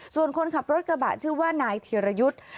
ส่วนคนขับรถกระบะชื่อว่านายธีรยุทธ์